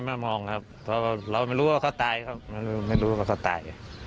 ไม่มามองครับเพราะเราไม่รู้ว่าเขาตายไม่รู้ว่าเขาตาย